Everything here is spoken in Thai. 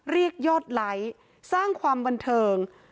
เรียกยอดไลค์สร้างความบันเทิง